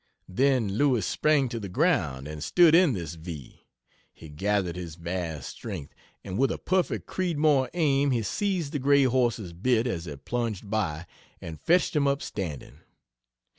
Then Lewis sprang to the ground and stood in this V. He gathered his vast strength, and with a perfect Creedmoor aim he seized the gray horse's bit as he plunged by and fetched him up standing!